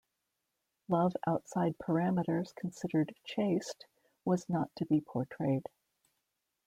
Love outside parameters considered "chaste" was not to be portrayed.